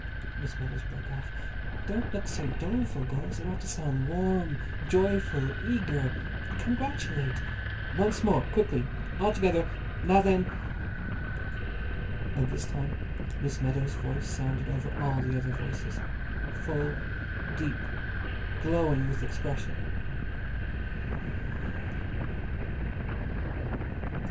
_" Miss Meadows broke off. "Don't look so doleful, girls. It ought to sound warm, joyful, eager. Congratulate. Once more. Quickly. All together. Now then!" And this time Miss Meadows' voice sounded over all the other voices—full, deep, glowing with expression.